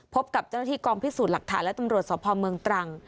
พบกับเจ้าหน้าที่กองพิสูจน์หลักฐานและตำรวจสพเมืองตรัง